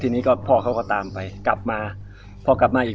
นี่สุดท้ายแค่ไหน